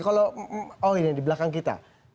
kalau oh ini di belakang kita